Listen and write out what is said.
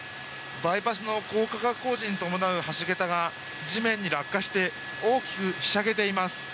バイパスの高架化工事に伴う橋桁が地面に落下して大きくひしゃげています。